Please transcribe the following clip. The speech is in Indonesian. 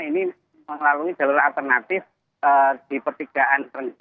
ini melalui jalur alternatif di pertigaan